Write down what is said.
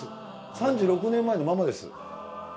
３６年前のままです。